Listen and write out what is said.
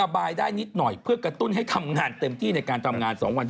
พอวันพุธแรกปุ๊บนายก็อยู่ทางนี้ก่อนเลย